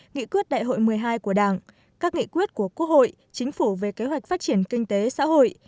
nghị quyết đại hội một mươi hai của đảng các nghị quyết của quốc hội chính phủ về kế hoạch phát triển kinh tế xã hội